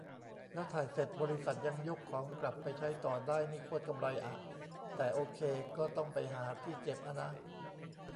แล้วถ่ายเสร็จบริษัทยังยกของกลับไปใช้ต่อได้นี่โคตรกำไรอะ แต่โอเค ก็ต้องไปหาที่เก็บอะนะ